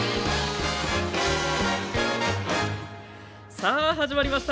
さあ始まりました。